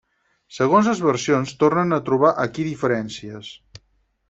Segons les versions, tornem a trobar aquí diferències.